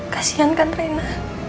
kasian kan rena